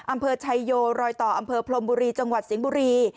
อำเภอชัยโยรอยต่ออำเภอพรมบุรีจังหวัดสิงห์บุรี